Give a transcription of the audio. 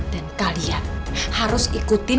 tangan aku sakit